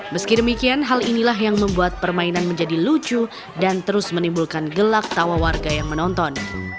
meski demikian hal inilah yang membuat permainan menjadi lucu dan terus menimbulkan gelak tawa warga yang menonton